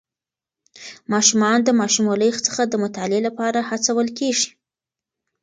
ماشومان د ماشوموالي څخه د مطالعې لپاره هڅول کېږي.